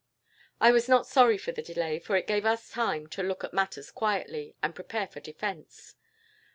"I was not sorry for the delay, for it gave us time to look at matters quietly, and prepare for defence.